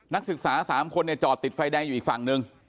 นักศึกษาสามคนจะจอดติดไฟได้อยู่ไฟแดงหนึ่ง